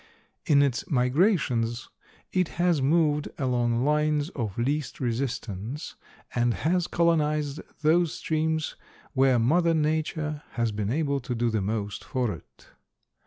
In its migrations it has moved along lines of least resistance, and has colonized those streams where Mother Nature has been able to do the most for it.